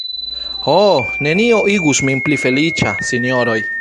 Ho; nenio igus min pli feliĉa, sinjoroj.